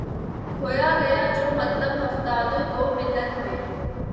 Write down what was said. کھویا گیا جو مطلب ہفتاد و دو ملت میں